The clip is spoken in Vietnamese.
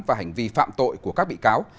và hành vi phạm tội của các bị cáo